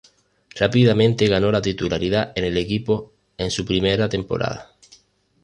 Rápidamente ganó la titularidad en el equipo en su primera temporada.